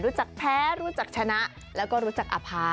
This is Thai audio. จากแพ้รู้จักชนะแล้วก็รู้จักอภา